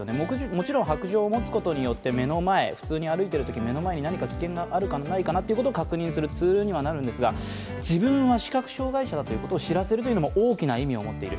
もちろん、白杖を持つことによって普通に歩いてるときに目の前に何か危険があるかないかを確認するツールにはなるんですが自分が視覚障害者だということを知らせるという大きな意味を持っている。